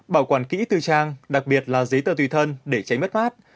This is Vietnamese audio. bảo quản kỹ tư trang đặc biệt là giấy tờ tùy thân để tránh mất phát